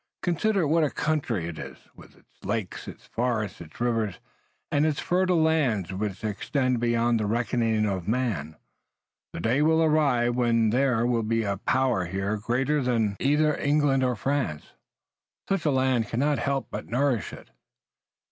Consider what a country it is, with its lakes, its forests, its rivers, and its fertile lands, which extend beyond the reckoning of man. The day will arrive when there will be a power here greater than either England or France. Such a land cannot help but nourish it."